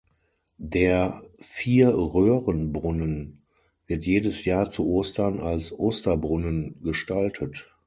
Der „Vier-Röhrenbrunnen“ wird jedes Jahr zu Ostern als Osterbrunnen gestaltet.